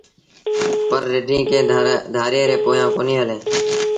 پر رڍينٚ ڪݩهݩ ڌآريٚݩ ري پويآنٚ ڪونهي هلينٚ